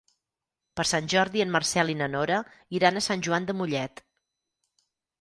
Per Sant Jordi en Marcel i na Nora iran a Sant Joan de Mollet.